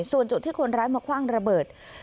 ส่วนจุดที่คนร้ายมาคว่างระเบิด